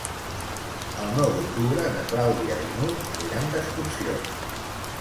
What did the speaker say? El nou d'octubre na Clàudia i n'Hug aniran d'excursió.